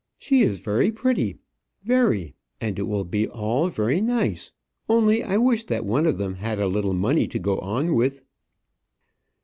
"She is very pretty, very; and it will be all very nice; only I wish that one of them had a little money to go on with."